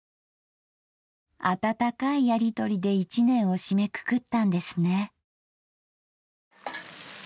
温かいやりとりで一年を締めくくったんですね。